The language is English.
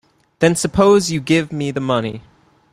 Then suppose you give me the money.